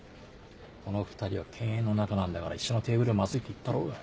この２人は犬猿の仲なんだから一緒のテーブルはマズいって言ったろうが。